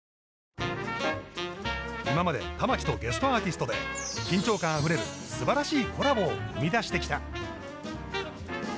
今まで玉置とゲストアーティストで緊張感あふれるすばらしいコラボを生み出してきた。